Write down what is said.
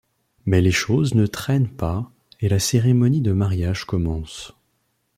Mais les choses ne traînent pas et la cérémonie de mariage commence.